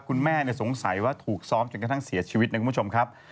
คุณแม่สงสัยว่าถูกซ้อมจนกระทั่งเสียชีวิตนะคุณผู้ชมครับ